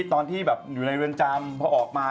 ตอนที่อยู่ในเรือนจำพอออกมา